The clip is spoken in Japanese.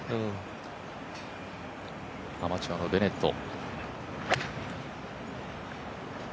アマチュアのベネット。